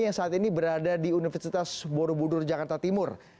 yang saat ini berada di universitas borobudur jakarta timur